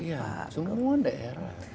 iya semua daerah